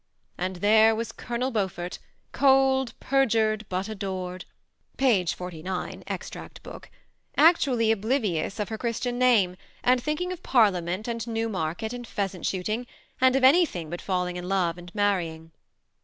And there was Colonel Beaufort, ^' cold, perjured, but adored," (p. 49, Extract Book,) actually oblivious of her Christian name, and thinking of Par liament and Newmarket and pheasant shooting, and of anything but falling in love and marrying.